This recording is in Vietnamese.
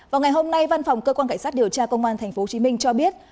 vào ngày hôm nay văn phòng cơ quan cảnh sát điều tra công an tp hcm cho biết